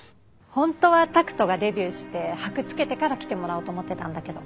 本当は拓斗がデビューして箔付けてから来てもらおうと思ってたんだけど。